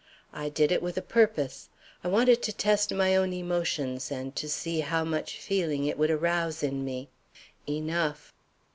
I did it with a purpose. I wanted to test my own emotions and to see how much feeling it would arouse in me. Enough.